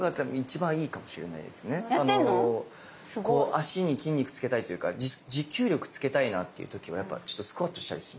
足に筋肉つけたいというか持久力つけたいなっていう時はやっぱスクワットしたりしますね。